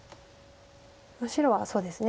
白はそうですね